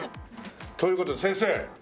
という事で先生。